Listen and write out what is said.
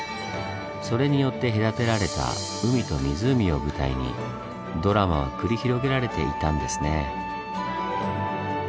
それによって隔てられた海と湖を舞台にドラマは繰り広げられていたんですね。